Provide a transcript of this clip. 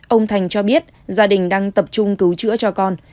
ông thành cho biết gia đình đang tập trung cứu chữa cho con